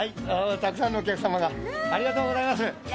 たくさんのお客さまがありがとうございます。